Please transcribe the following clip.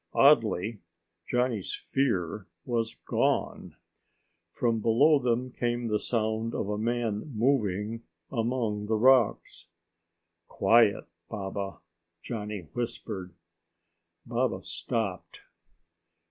Oddly, Johnny's fear was gone. From below them came the sound of a man moving among the rocks. "Quiet, Baba," Johnny whispered. Baba stopped.